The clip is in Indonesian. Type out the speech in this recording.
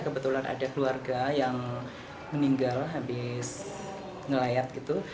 kebetulan ada keluarga yang meninggal habis ngelayat gitu